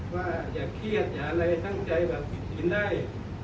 ว่าอย่าเครียดอย่าอะไรตั้งใจแบบผิดสินได้